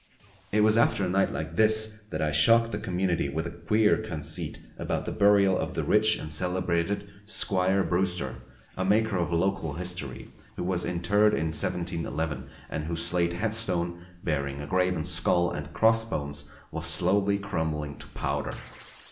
It was after a night like this that I shocked the community with a queer conceit about the burial of the rich and celebrated Squire Brewster, a maker of local history who was interred in 1711, and whose slate headstone, bearing a graven skull and crossbones, was slowly crumbling to powder.